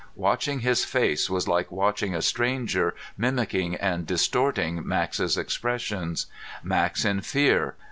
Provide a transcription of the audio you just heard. Watching his face was like watching a stranger mimicking and distorting Max's expressions. Max in fear.